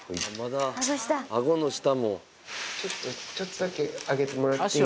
ちょっとちょっとだけ上げてもらっていい？